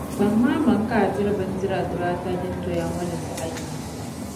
Kpaŋmi amaŋ ka a diri bindira dibaata din doya ŋɔ ni zaɣi yini.